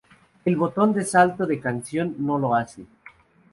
El botón de salto de canción no lo hace.